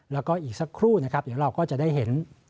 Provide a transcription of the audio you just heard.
แล้วก็อีกสักครู่นะครับเดี๋ยวเราก็จะได้เห็น